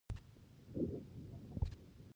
خلک اوس هم خبرې کوي.